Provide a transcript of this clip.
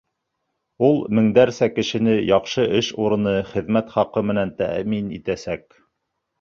Ул меңдәрсә кешене яҡшы эш урыны, хеҙмәт хаҡы менән тәьмин итәсәк.